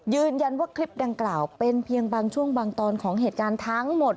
คลิปดังกล่าวเป็นเพียงบางช่วงบางตอนของเหตุการณ์ทั้งหมด